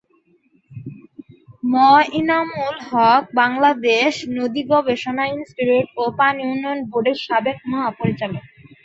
ম ইনামুল হক বাংলাদেশ নদীগবেষণা ইনস্টিটিউট ও পানি উন্নয়ন বোর্ডের সাবেক মহাপরিচালক।